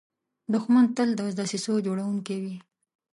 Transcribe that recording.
دښمن تل د دسیسو جوړونکی وي